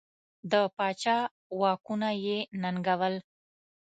د پاچا واکونه یې ننګول.